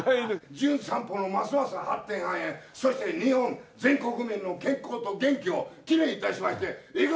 『じゅん散歩』のますますの発展繁栄そして日本全国民の健康と元気を祈念致しましていくぞ